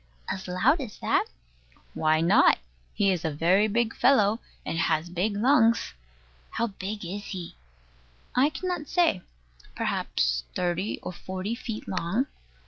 as loud as that? Why not? He is a very big fellow, and has big lungs. How big is he? I cannot say: perhaps thirty or forty feet long.